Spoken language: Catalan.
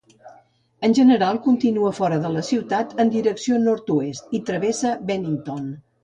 En general continua fora de la ciutat en direcció nord-oest i travessa Bennington.